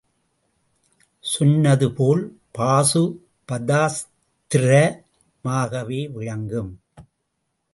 சொன்னது போல் பாசு பதாஸ்திர மாகவே விளங்கும்.